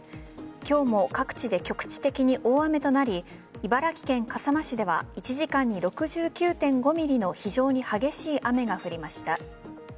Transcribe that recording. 今日も各地で局地的に大雨となり茨城県笠間市では１時間に６９．５ｍｍの非常に激しい雨が降りました。